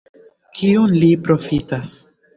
Kiun li profitas?